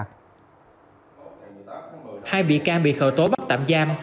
hai bị ca bị khởi tố bắt tạm giam